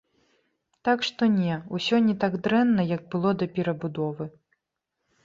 Так што не, усё не так дрэнна, як было да перабудовы.